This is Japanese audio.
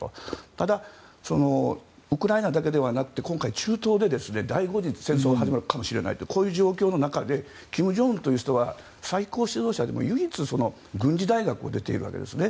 ただ、ウクライナだけではなくて今回中東で第５次の戦争が始まるかもしれないというこういう状況の中で金正恩という人は最高指導者でも唯一、軍事大学を出ているわけですね。